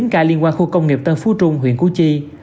một mươi chín ca liên quan khu công nghiệp tân phú trung huyện cú chi